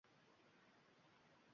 Mollar ham shunaqa